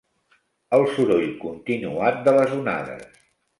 El soroll continuat de les onades.